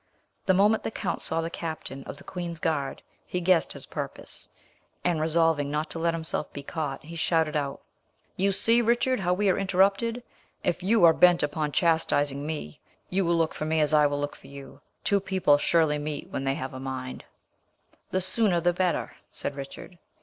The moment the count saw the captain of the queen's guard, he guessed his purpose, and resolving not to let himself be caught, he shouted out, "You see, Richard, how we are interrupted. If you are bent upon chastising me, you will look for me as I will look for you. Two people surely meet when they have a mind." "The sooner the better," said Richard.